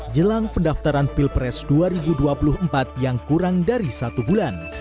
jelang pendaftaran pilpres dua ribu dua puluh empat yang kurang dari satu bulan